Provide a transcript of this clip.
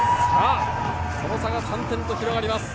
その差が３点と広がります。